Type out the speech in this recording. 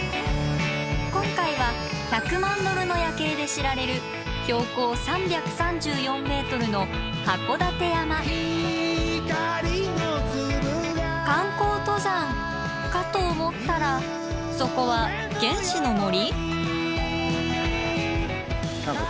今回は１００万ドルの夜景で知られる観光登山かと思ったらそこは原始の森？